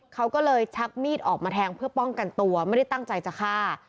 เขาก็เลยชักมีดออกมาแทงเพื่อป้องกันตัวไม่ได้ตั้งใจจะฆ่า